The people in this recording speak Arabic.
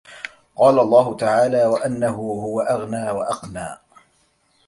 قَالَ اللَّهُ تَعَالَى وَأَنَّهُ هُوَ أَغْنَى وَأَقْنَى